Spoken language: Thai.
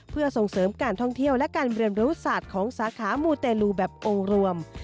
เพื่อส่งเสริมการท่องเที่ยวและการเรียนรู้ศาสตร์ของสาขามูเตลูแบบองค์รวม